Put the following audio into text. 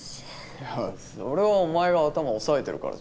いやそれはお前が頭押さえてるからじゃん。